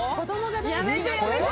やめてやめて。